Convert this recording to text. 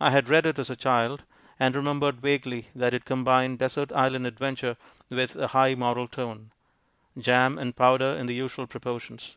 I had read it as a child, and remembered vaguely that it combined desert island adventure with a high moral tone; jam and powder in the usual proportions.